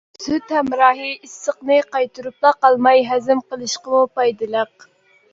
سۈت ھەمراھى ئىسسىقنى قايتۇرۇپلا قالماي، ھەزىم قىلىشقىمۇ پايدىلىق.